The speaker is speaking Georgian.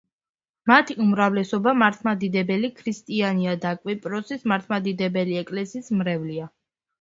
მათი უმრავლესობა მართლმადიდებელი ქრისტიანია და კვიპროსის მართლმადიდებელი ეკლესიის მრევლია.